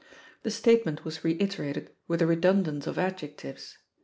The statement was reiterated with a redundance of adjectives.